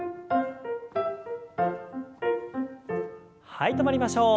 はい止まりましょう。